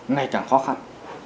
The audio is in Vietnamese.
ngày càng khó khăn